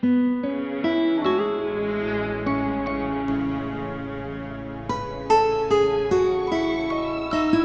kita langsung ke rumah sakit